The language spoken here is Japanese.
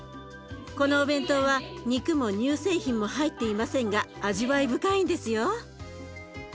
このお弁当は肉も乳製品も入っていませんが味わい深いんですよ。